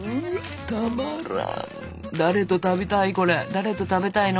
誰と食べたいの？